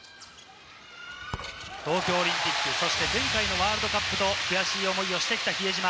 東京オリンピック、そして前回のワールドカップと悔しい思いをしてきた比江島。